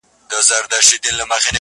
o اوبه پر لوړه وهه، کته په خپله ځي٫